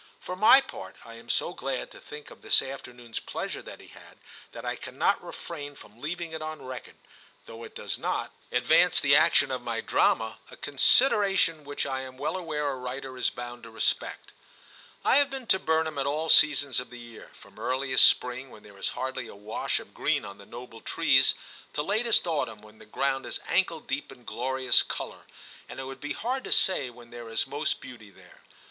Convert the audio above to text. For my part, I am so glad to think of this afternoon s pleasure that he had, that I cannot refrain from leaving it on record, though it does not 152 TIM CHAP. advance the action of my drama, a considera tion which I am well aware a writer is bound to respect. I have been to Burnham at all seasons of the year, from earliest spring, when there is hardly a wash of green on the noble trees, to latest autumn, when the ground is ankle deep in glorious colour, and it would be hard to say when there is most beauty there.